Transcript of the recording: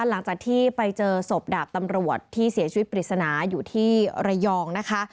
หลังจากที่ไปเจอศพดาบตำรวจที่เสียชีวิตปริศนาอยู่ที่ระยองนะคะ